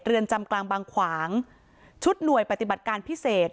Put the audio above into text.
เรือนจำกลางบางขวางชุดหน่วยปฏิบัติการพิเศษ